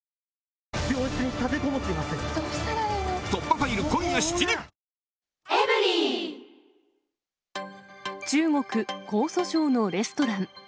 台風情報、中国・江蘇省のレストラン。